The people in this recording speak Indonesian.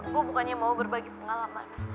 gue bukannya mau berbagi pengalaman